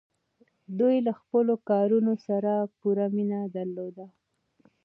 دوی له خپلو کارونو سره پوره مینه درلوده.